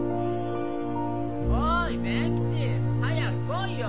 ・おい勉吉早く来いよ！